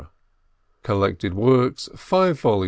collected works, 5 vols.